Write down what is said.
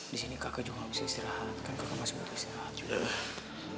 di sini kakak juga gak bisa istirahat kan kakak masih butuh istirahat